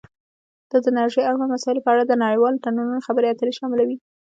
دا د انرژۍ اړوند مسایلو په اړه د نړیوالو تړونونو خبرې اترې شاملوي